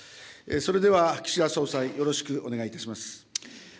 それでは、岸田総裁、よろしくお願いいたします。